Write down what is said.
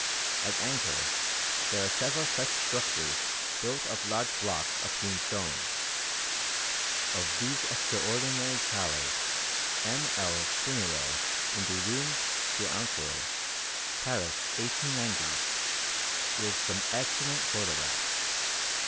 At Angkor there are several such structures built of large blocks of hewn stone. Of these extraordinary towers M. L. Fournereau in Des Ruines d' Angkor (Paris, 1890) gives some excellent photographs.